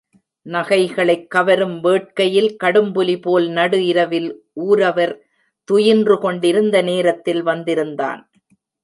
நகைகளைக் கவரும் வேட்கையில் கடும்புலிபோல் நடு இரவில் ஊரவர் துயின்று கொண்டிருந்த நேரத்தில் வந்திருந்தான்.